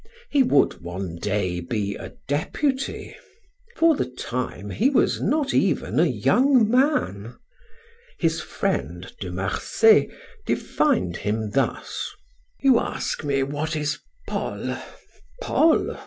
He would one day be a deputy. For the time he was not even a young man. His friend, De Marsay, defined him thus: "You ask me what is Paul? Paul?